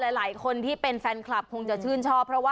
หลายคนที่เป็นแฟลนคลับคงจะชื่นชอบ